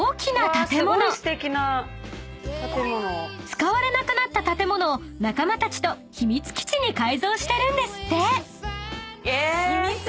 ［使われなくなった建物を仲間たちと秘密基地に改造してるんですって］